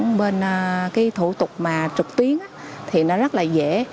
hướng dẫn bên cái thủ tục mà trực tuyến thì nó rất là dễ